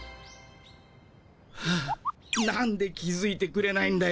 はあなんで気づいてくれないんだよ。